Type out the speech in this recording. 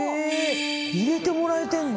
入れてもらえてんの？